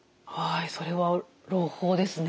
それは朗報ですね。